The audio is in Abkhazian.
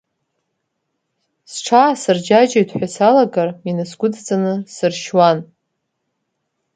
Сҽаа-сырџьаџьоит ҳәа салагар, инасгәыдҵаны сыршьуан.